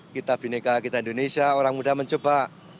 kita bhinneka kita indonesia orang muda mencoba